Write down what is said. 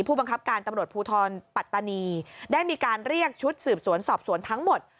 ผู้บังคับการตำรวจภูทรปัตตานีได้มีการเรียกชุดสืบสวนสอบสวนทั้งหมด